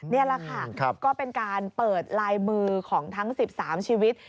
นี่แหละค่ะก็เป็นการเปิดลายมือของทั้ง๑๓ชีวิต